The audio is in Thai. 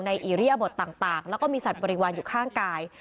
อิริยบทต่างแล้วก็มีสัตว์บริวารอยู่ข้างกาย